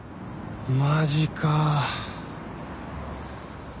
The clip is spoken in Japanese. マジか。